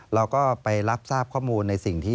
เราก็ไปรับทราบข้อมูลในสิ่งที่